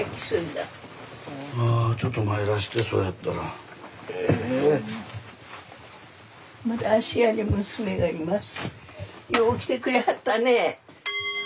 よう来てくれはったね。